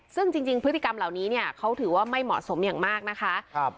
ซึ่งจริงพฤติกรรมเหล่านี้เนี่ยเขาถือว่าไม่เหมาะสมอย่างมากนะคะ